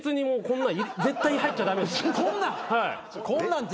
「こんなん」？